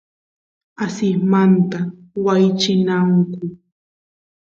asismanta wanchinaku